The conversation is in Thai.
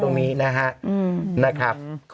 โอเคโอเคโอเค